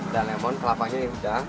dan lemon kelapanya yang udah